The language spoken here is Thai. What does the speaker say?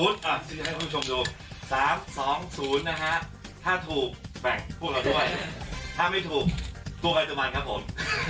๓๒๐๓๒๐นะฮะถ้าถูกแบ่งพวกเราด้วยถ้าไม่ถูกตัวไปต่อบันครับผม